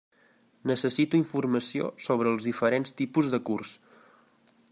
Necessito informació sobre els diferents tipus de curs.